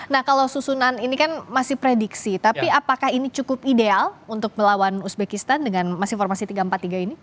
nah kalau susunan ini kan masih prediksi tapi apakah ini cukup ideal untuk melawan uzbekistan dengan masih formasi tiga empat tiga ini